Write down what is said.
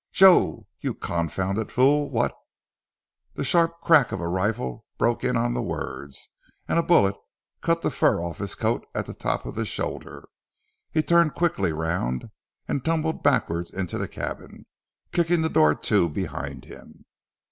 "Joe, you confounded fool, what " The sharp crack of a rifle broke in on the words, and a bullet cut the fur off his coat at the top of the shoulder. He turned quickly round, and tumbled backward into the cabin, kicking the door to behind him.